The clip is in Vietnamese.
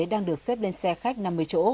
đang được xếp lên xe khách năm mươi chỗ